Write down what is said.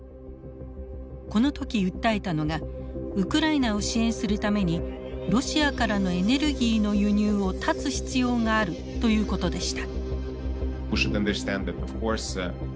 この時訴えたのがウクライナを支援するためにロシアからのエネルギーの輸入を断つ必要があるということでした。